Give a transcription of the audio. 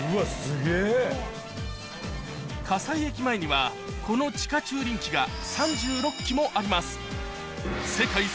葛西駅前にはこの地下駐輪機がもあります